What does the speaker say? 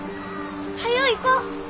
早う行こう！